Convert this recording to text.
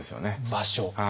場所？